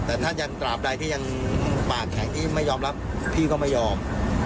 แต่ท่านยังตราบใดที่ยังปากแข็งที่ไม่ยอมรับพี่ก็ไม่ยอม